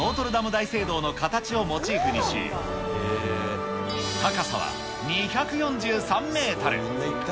大聖堂の形をモチーフにし、高さは２４３メートル。